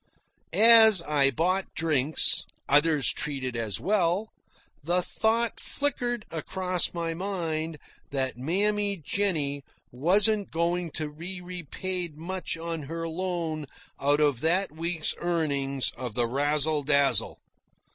As I bought drinks others treated as well the thought flickered across my mind that Mammy Jennie wasn't going to be repaid much on her loan out of that week's earnings of the Razzle Dazzle.